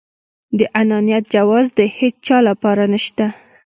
د انانيت جواز د هيچا لپاره نشته.